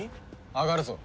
上がるぞ。